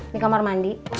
di kamar mandi